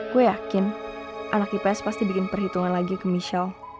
gue yakin anak ips pasti bikin perhitungan lagi ke michelle